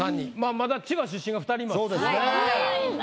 まだ千葉出身が２人います。